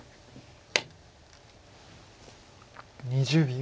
２０秒。